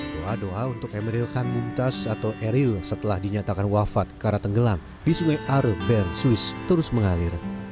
doa doa untuk emeril khan mumtaz atau eril setelah dinyatakan wafat karena tenggelam di sungai are bern swiss terus mengalir